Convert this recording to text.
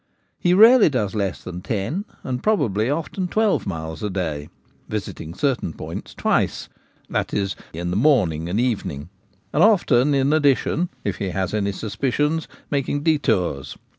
He rarely does less than ten, and probably often twelve miles a day, visiting certain points twice — i.e. in the morning and evening — and often in addition, if he has any suspicions, making detours.